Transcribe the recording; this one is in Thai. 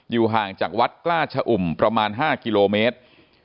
ห่างจากวัดกล้าชะอุ่มประมาณ๕กิโลเมตร